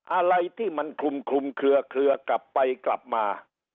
อะไรที่มันคลุมเคลือกลับไปกลับมา